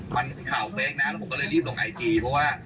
มันข่าวเฟคนั้นผมก็เลยรีบลงไอจีเพราะว่า